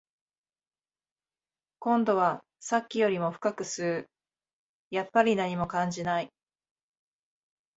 今度はさっきよりも深く吸う、やっぱり何も感じない